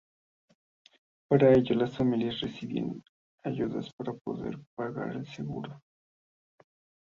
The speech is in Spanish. Para ello las familias recibirían ayudas para poder pagar el seguro.